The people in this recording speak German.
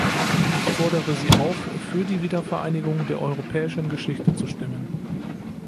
Ich fordere Sie auf, für die Wiedervereinigung der europäischen Geschichte zu stimmen.